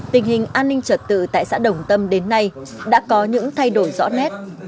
tình hình an ninh trật tự tại xã đồng tâm đến nay đã có những thay đổi rõ nét